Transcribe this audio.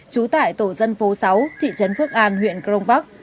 trú tại tổ dân phố sáu thị trấn phước an huyện crong park